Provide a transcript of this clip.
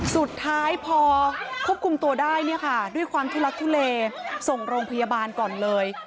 สุดท้ายพอควบคุมตัวได้เนี่ยค่ะด้วยความทุลักทุเลส่งโรงพยาบาลก่อนเลย